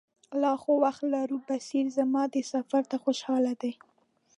لا خو وخت لرو، بصیر زما دې سفر ته خوشاله دی.